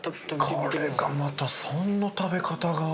これがまたそんな食べ方が？